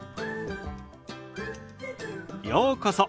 ようこそ。